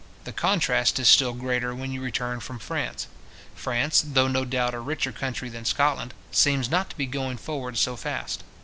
The contrast is still greater when you return from France. France, though no doubt a richer country than Scotland, seems not to be going forward so fast.